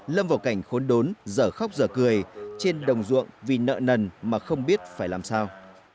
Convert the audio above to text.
lâm vào cảnh khốn đốn dở khóc giờ cười trên đồng ruộng vì nợ nần mà không biết phải làm sao